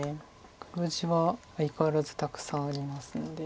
黒地は相変わらずたくさんありますので。